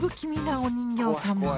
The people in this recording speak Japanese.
なお人形さんも。